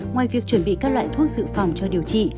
ngoài việc chuẩn bị các loại thuốc dự phòng cho điều trị